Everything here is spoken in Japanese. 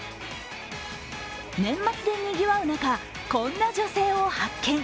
年末でにぎわう中、こんな女性を発見。